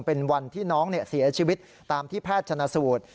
เป็นวันที่น้องเสียชีวิตตามที่แพทย์ชนะสูตร